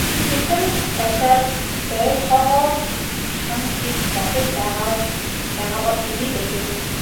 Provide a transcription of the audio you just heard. Тэр хэдэн арьсаар боольхойгоо халхална гэж бодож байгаа бол дэмий байлгүй.